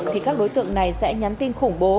thì các đối tượng này sẽ nhắn tin khủng bố